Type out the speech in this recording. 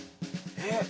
えっ？